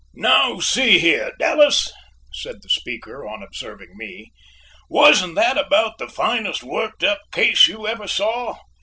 "Now see here, Dallas," said the speaker on observing me, "wasn't that about the finest worked up case you ever saw?